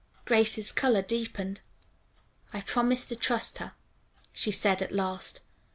Grace's color deepened. "I promised to trust her," she said at last.